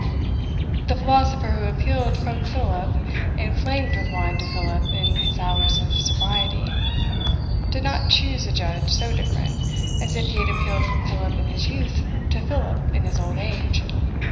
The philosopher who appealed from Philip inflamed with wine to Philip in his hours of sobriety, did not choose a judge so different, as if he had appealed from Philip in his youth to Philip in his old age.